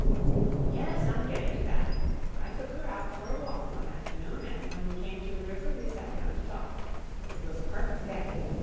"Yes I'm getting to that. I took her out for a walk one afternoon, and when we came to the river, we sat down to talk. It was a perfect day.